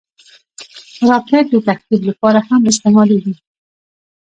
راکټ د تخریب لپاره هم استعمالېږي